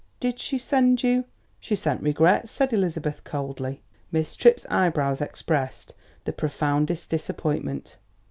Did she send you " "She sent regrets," said Elizabeth coldly. Miss Tripp's eyebrows expressed the profoundest disappointment.